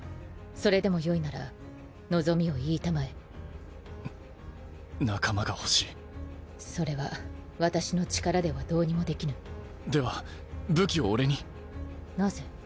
それでもよいなら望みを言いたまえんっ仲間が欲しいそれは私の力ではどでは武器を俺になぜ？